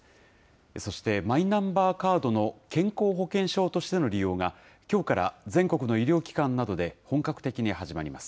そして、マイナンバーカードの健康保険証としての利用がきょうから全国の医療機関などで、本格的に始まります。